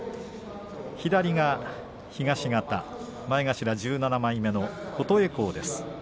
左が東方前頭１７枚目の琴恵光です。